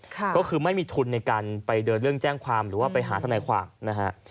ก็คือไม่มีทุนในการไปเดินเรื่องแจ้งความหรือว่าไปหาทนายความนะฮะ